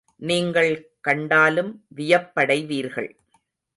நீங்கள் கண்டாலும் வியப்படைவீர்கள்.